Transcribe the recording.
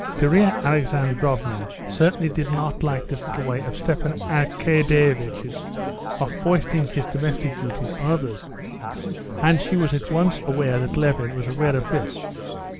Darya Alexandrovna certainly did not like this little way of Stepan Arkadyevitch's of foisting his domestic duties on others. And she was at once aware that Levin was aware of this.